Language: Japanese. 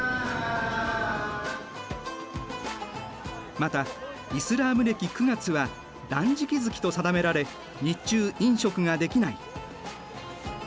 またイスラーム暦９月は断食月と定められ日中飲食ができない。